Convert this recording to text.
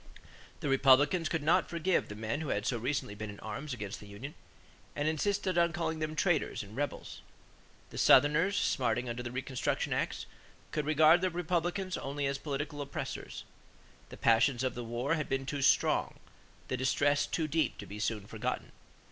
The Republicans could not forgive the men who had so recently been in arms against the union and insisted on calling them "traitors" and "rebels." The Southerners, smarting under the reconstruction acts, could regard the Republicans only as political oppressors. The passions of the war had been too strong; the distress too deep to be soon forgotten.